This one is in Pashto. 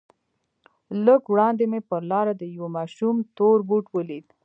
لږ وړاندې مې پر لاره د يوه ماشوم تور بوټ ولېد.